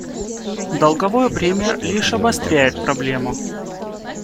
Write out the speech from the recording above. Долговое бремя лишь обостряет проблему.